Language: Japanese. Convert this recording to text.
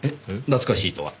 懐かしいとは？